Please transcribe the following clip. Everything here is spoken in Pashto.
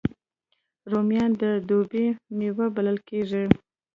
رومیان د دوبي میوه بلل کېږي